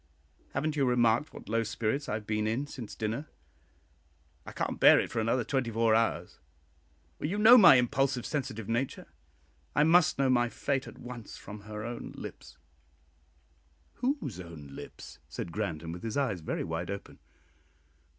Haven't you remarked what low spirits I have been in since dinner? I can't bear it for another twenty four hours! You know my impulsive sensitive nature. I must know my fate at once from her own lips." "Whose own lips?" said Grandon, with his eyes very wide open.